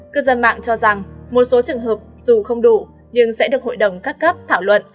cư dân mạng cho rằng một số trường hợp dù không đủ nhưng sẽ được hội đồng các cấp thảo luận